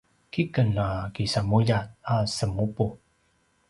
kiken a kisamulja a semupu